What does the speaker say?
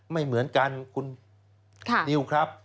ไม่เหมือนกันคุณนิวครับ